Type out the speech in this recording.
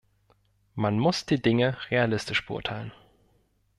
Man muss die Dinge realistisch beurteilen.